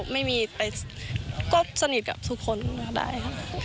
ไม่มีไปก็สนิทกับทุกคนก็ได้ค่ะ